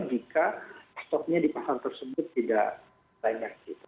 jika stoknya di pasar tersebut tidak banyak